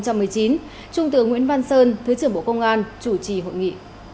trung tướng nguyễn văn sơn thứ trưởng bộ công an chủ trì hội nghị